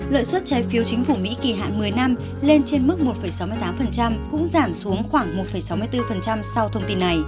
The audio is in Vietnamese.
lợi suất trái phiếu chính phủ mỹ kỳ hạn một mươi năm lên trên mức một sáu mươi tám cũng giảm xuống khoảng một sáu mươi bốn sau thông tin này